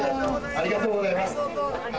ありがとうございます！